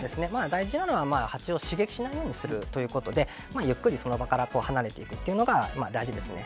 大事なのはハチを刺激しないようにするということでゆっくりその場から離れるのが大事ですね。